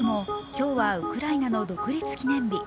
今日はウクライナの独立記念日。